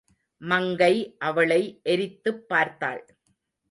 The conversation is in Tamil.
மங்கை, அவளை எரித்துப் பார்த்தாள்.